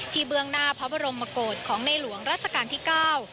เบื้องหน้าพระบรมโกศของในหลวงราชการที่เก้า